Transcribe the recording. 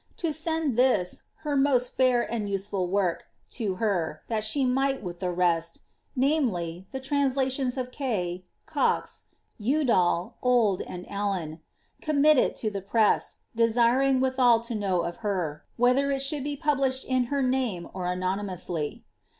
" to send this, her most fair and useful work,"' to her, that she might, with the rest ^viz., the translations of Kay, Cox, Udal, Old, and .Allen , commit it to the prest?, desiring withal to know of her, whether it should be published in her name, or anonymously.